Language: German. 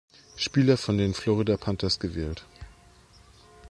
Spieler von den Florida Panthers gewählt.